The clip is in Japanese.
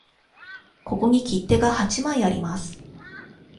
ここに切手が八枚あります。